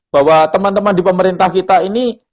bahwa teman teman di pemerintah kita ini